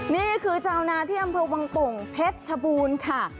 นี่คือชาวนาเที่ยมพระวังตงเพชรชบูรณ์ค่ะ